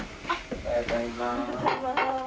おはようございます。